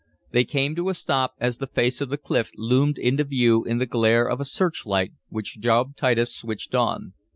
They came to a stop as the face of the cliff loomed into view in the glare of a searchlight which Job Titus switched on.